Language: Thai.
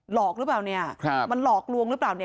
อกหรือเปล่าเนี่ยครับมันหลอกลวงหรือเปล่าเนี่ย